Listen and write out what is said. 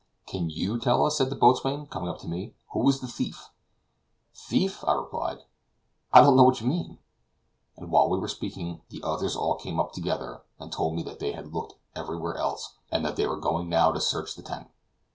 "Can YOU tell us," said the boatswain, coming up to me, "who is the thief?" "Thief!" I replied. "I don't know what you mean." And while we were speaking the others all came up together, and told me that they had looked everywhere else, and that they were going now to search the tent.